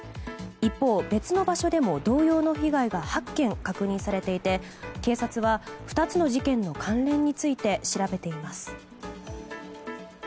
一方、別の場所でも同様の被害が８件確認されていて、警察は２つの事件の関連について調べています。